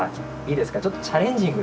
いいですかちょっとチャレンジングなね